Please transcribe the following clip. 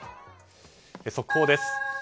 速報です。